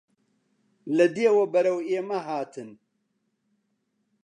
لە دێوە بەرەو ئێمە هاتن